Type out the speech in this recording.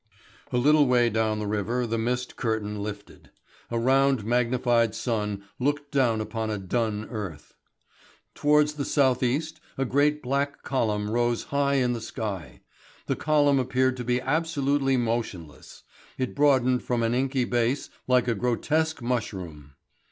A little way down the river the mist curtain lifted. A round magnified sun looked down upon a dun earth. Towards the South east a great black column rose high in the sky. The column appeared to be absolutely motionless; it broadened from an inky base like a grotesque mushroom.